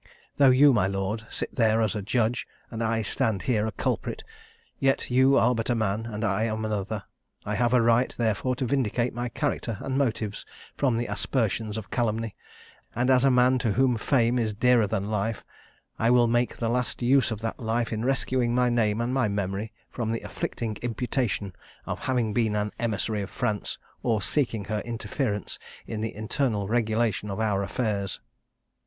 "Though you, my lord, sit there a judge, and I stand here a culprit, yet you are but a man, and I am another; I have a right therefore to vindicate my character and motives from the aspersions of calumny; and as a man to whom fame is dearer than life, I will make the last use of that life in rescuing my name and my memory from the afflicting imputation of having been an emissary of France, or seeking her interference in the internal regulation of our affairs.